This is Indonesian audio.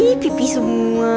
ihh pipi semua